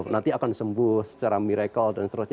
nanti akan sembuh secara miracle dan seterusnya